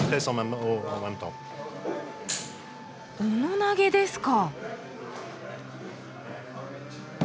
斧投げですか。